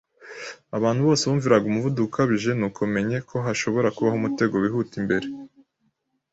Abantu bose bumviraga umuvuduko ukabije, nuko menye ko hashobora kubaho umutego wihuta imbere.